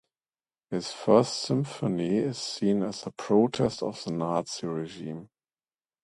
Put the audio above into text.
His first symphony is seen as a protest of the Nazi regime.